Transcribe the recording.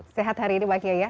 sehat hari ini pak kiai ya